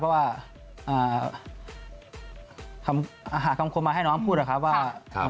เพราะว่าหาคำคมมาให้น้องพูดนะครับว่า